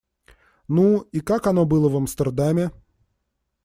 Ну, и как оно было в Амстердаме?